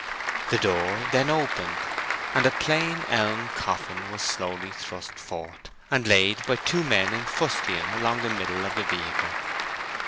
The door then opened, and a plain elm coffin was slowly thrust forth, and laid by two men in fustian along the middle of the vehicle.